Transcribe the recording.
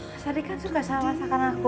mas ardi kan suka sama masakan aku